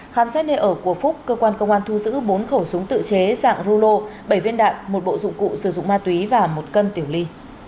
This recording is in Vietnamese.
khám xét nơi ở của phúc cơ quan công an thu giữ bốn khẩu súng tự chế dạng rulo bảy viên đạn một bộ dụng cụ sử dụng ma túy và một cân tiểu ly